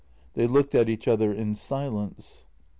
They looked at each other in silence.